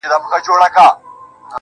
دا موسیقي نه ده جانانه، دا سرگم نه دی~